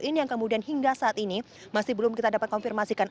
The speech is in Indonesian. ini yang kemudian hingga saat ini masih belum kita dapat konfirmasikan